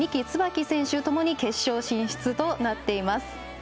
つばき選手ともに決勝進出となっています。